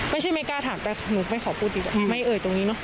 ไม่กล้าถามแต่หนูไม่ขอพูดดีกว่าไม่เอ่ยตรงนี้เนอ